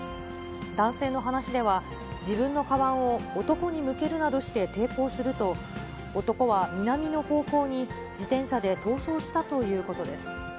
男性の話では、自分のかばんを男に向けるなどして抵抗すると、男は南の方向に自転車で逃走したということです。